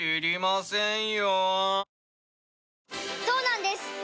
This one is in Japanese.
そうなんです